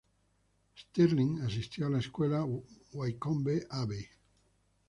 Stirling asistió a la escuela Wycombe Abbey.